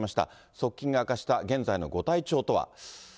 側近が明かした現在のご体調とは。